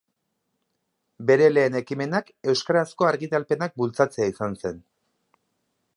Bere lehen ekimenak euskarazko argitalpenak bultzatzea izan zen.